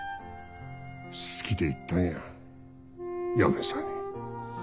好きで行ったんや嫁さに。